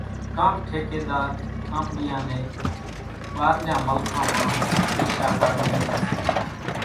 ڪاڪ ٺيڪيۮار آنٻڙيان نين ٻارليان ملڪان مان ويشا ۿارُو ميليَ سي۔